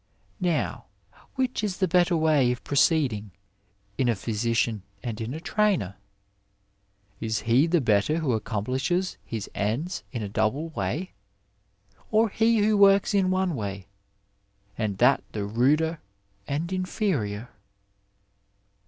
Now which is the better way of prooeecKag in a physiciaii and in a trainer ? Is he the better who accomplishes his ends in a double way, or he who works in one way, and that the mder and inferior